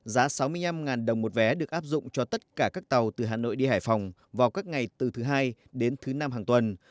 giá sáu mươi năm đồng một vé được áp dụng cho tất cả các tàu từ hà nội đi hải phòng vào các ngày từ thứ hai đến thứ năm hàng tuần